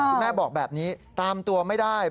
แม่บอกแบบนี้ตามตัวไม่ได้